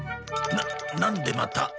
ななんでまた。